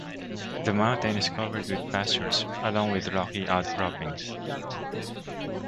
The mountain is covered with pastures along with rocky outcroppings.